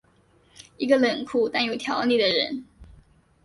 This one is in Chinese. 一个冷酷但有条理的人。